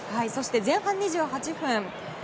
そして、前半２８分。